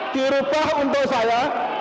dirupa untuk saya